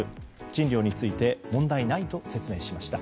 賃料について問題ないと説明しました。